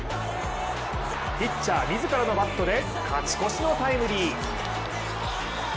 ピッチャー自らのバットで勝ち越しのタイムリー。